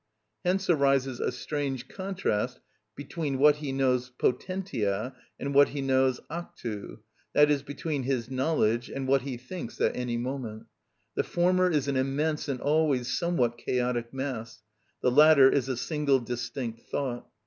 Hence arises a strange contrast between what he knows potentiâ and what he knows actu; that is, between his knowledge and what he thinks at any moment: the former is an immense and always somewhat chaotic mass, the latter is a single distinct thought.